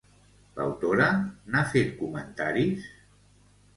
L'autora n'ha fet comentaris?